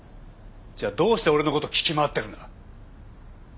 じゃあどうして俺の事を聞き回ってるんだ？